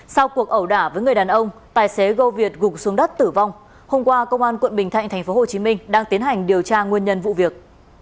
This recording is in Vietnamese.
sau cuộc ẩu đả với người đàn ông tài xế gâu việt gục xuống đất tử vong hôm qua công an quận bình thạnh tp hcm đang tiến hành điều tra nguyên nhân vụ việc